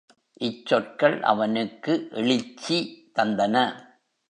இச் சொற்கள் அவனுக்கு எழுச்சி தந்தன.